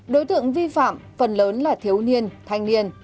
đối tượng vi phạm phần lớn là thiếu niên thanh niên